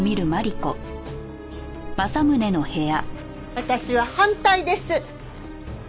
私は反対です。